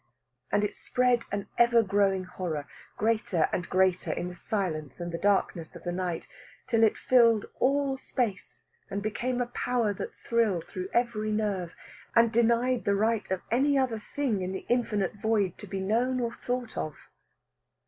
And it spread an ever growing horror, greater and greater in the silence and the darkness of the night, till it filled all space and became a power that thrilled through every nerve, and denied the right of any other thing in the infinite void to be known or thought of.